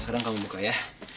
sekarang kamu buka ya